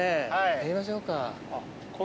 やりましょうか。